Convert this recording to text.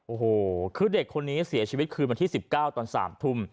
โอ้โหคือเด็กคนนี้เสียชีวิตคืนวันที่๑๙ตอน๓ทุ่ม